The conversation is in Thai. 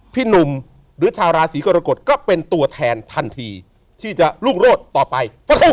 พี่หนุ่มหรือชาวราศีกรกฎก็เป็นตัวแทนทันทีที่จะรุ่งโรศต่อไป